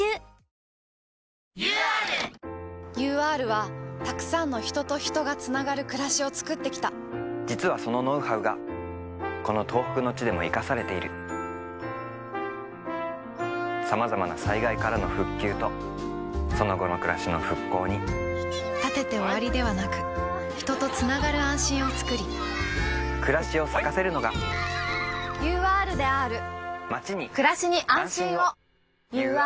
ＵＲＵＲはたくさんの人と人がつながるくらしをつくってきた実はそのノウハウがこの東北の地でも活かされているさまざまな災害からの「復旧」とその後のくらしの「復興」に建てて終わりではなく人とつながる安心をつくり“くらし”を咲かせるのがＵＲであーるＵＲであーる